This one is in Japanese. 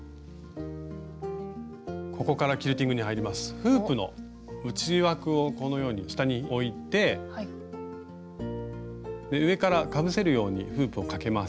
フープの内枠をこのように下に置いて上からかぶせるようにフープをかけます。